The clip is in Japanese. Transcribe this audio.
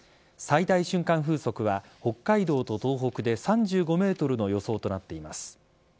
最大瞬間風速は北海道と東北で３５メートルの予想となっています。